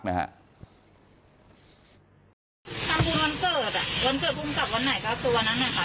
ทำบุญวันเกิดวันเกิดภูมิกับวันไหนก็คือวันนั้นนะคะ